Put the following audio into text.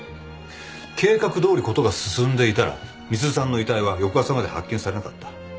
計画どおり事が進んでいたら美鈴さんの遺体は翌朝まで発見されなかった。